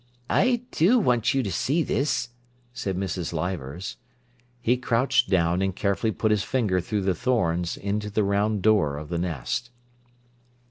"I do want you to see this," said Mrs. Leivers. He crouched down and carefully put his finger through the thorns into the round door of the nest.